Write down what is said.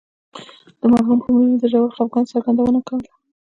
د مرحوم په مړینه یې د ژور خفګان څرګندونه کوله.